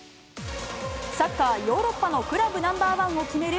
サッカーヨーロッパのクラブナンバー１を決める